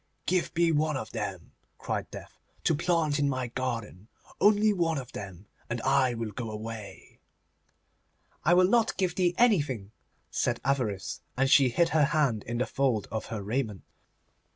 'Give me one of them,' cried Death, 'to plant in my garden; only one of them, and I will go away.' 'I will not give thee anything,' said Avarice, and she hid her hand in the fold of her raiment.